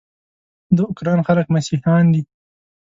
د اوکراین خلک مسیحیان دي.